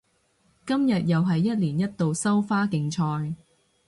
今日又係一年一度收花競賽